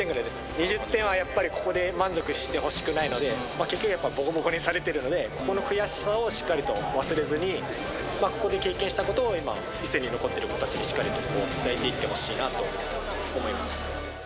２０点はやっぱりここで満足してほしくないので、結局ぼこぼこにされてるので、ここの悔しさをしっかりと忘れずに、ここで経験したことを、今、伊勢に残っている人たちにしっかりと伝えていってほしいなと思います。